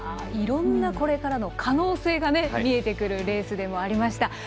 いろんなこれからの可能性見えてくるレースでもありました。